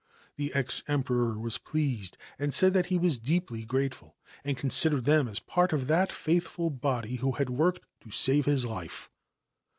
The ex Emperor was jased, and said that he was deeply grateful and con lered them as part of that faithful body who had >rked to save his life.